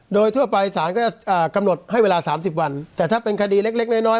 โดยทั่วไปสารก็จะกำหนดให้เวลา๓๐วันแต่ถ้าเป็นคดีเล็กน้อย